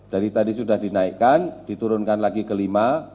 dari tadi sudah dinaikkan diturunkan lagi kelima